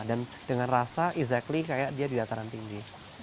dan dengan rasa exactly kayak dia di dataran tinggi